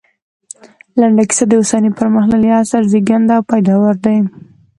لنډه کيسه د اوسني پرمختللي عصر زېږنده او پيداوار دی